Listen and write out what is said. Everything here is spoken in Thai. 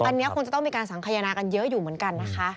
อันนี้คงจะต้องมีการสังขยนากันเยอะอยู่เหมือนกันนะคะ